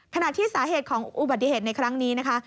ขณะที่สาเหตุของอุบัติเหตุในครั้งนี้นะคะ